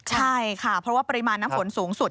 ใช่ค่ะเพราะว่าปริมาณน้ำฝนสูงสุด